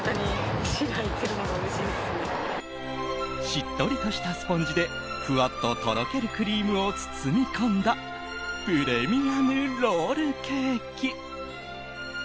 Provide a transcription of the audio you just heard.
しっとりとしたスポンジでふわっととろけるクリームを包み込んだプレミアムロールケーキ。